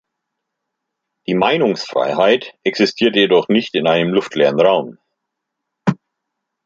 Die Meinungsfreiheit existiert jedoch nicht in einem luftleeren Raum.